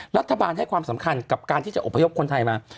รัฐบาลให้ความสำคัญกับการที่จะอบพยพคนไทยมา